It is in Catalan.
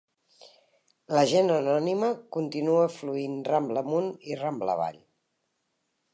La gent anònima continua fluint Rambla amunt i Rambla avall.